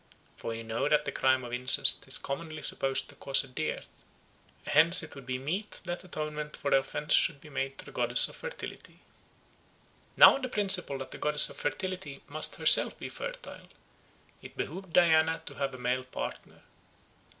For we know that the crime of incest is commonly supposed to cause a dearth; hence it would be meet that atonement for the offence should be made to the goddess of fertility. Now on the principle that the goddess of fertility must herself be fertile, it behoved Diana to have a male partner.